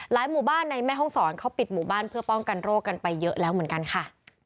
หมู่บ้านในแม่ห้องศรเขาปิดหมู่บ้านเพื่อป้องกันโรคกันไปเยอะแล้วเหมือนกันค่ะ